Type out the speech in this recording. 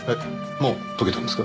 もう解けたんですか？